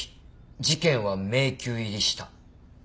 事件は迷宮入りした。